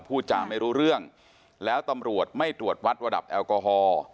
พูดจาไม่รู้เรื่องแล้วตำรวจไม่ตรวจวัดระดับแอลกอฮอล์